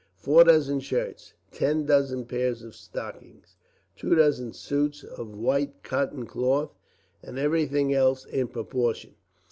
Four dozen shirts, ten dozen pairs of stockings, two dozen suits of white cotton cloth, and everything else in proportion.